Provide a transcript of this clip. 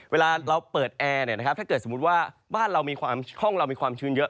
เวลาเราเปิดแอร์เนี่ยนะครับถ้าเกิดสมมุติว่าบ้านเรามีความชื้นเยอะ